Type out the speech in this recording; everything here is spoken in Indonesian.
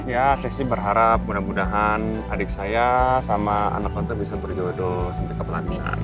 ya saya sih berharap mudah mudahan adik saya sama anak tante bisa berjodoh sampai kepelatihan